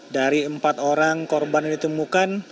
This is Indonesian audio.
dari empat orang korban yang ditemukan